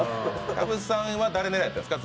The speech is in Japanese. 田渕さんは誰狙いだったんですか？